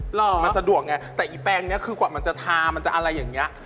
หรอมันสะดวกไงแต่อีแปลงนี้คือกว่ามันจะทามันจะอะไรอย่างเงี้ย